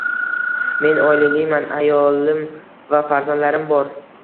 Men oilaliman, ayolim va farzandlarim bor